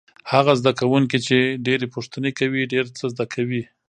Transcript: هغه زده کوونکی چې ډېرې پوښتنې کوي ډېر څه زده کوي.